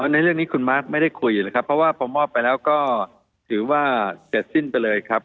ในเรื่องนี้คุณมาร์คไม่ได้คุยนะครับเพราะว่าพอมอบไปแล้วก็ถือว่าเสร็จสิ้นไปเลยครับ